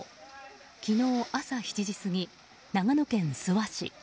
昨日朝７時過ぎ、長野県諏訪市。